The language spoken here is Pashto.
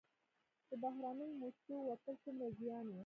د بهرنیو موسسو وتل څومره زیان و؟